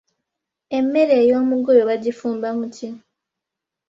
Emmere ey’omugoyo bagifumba mu ki ?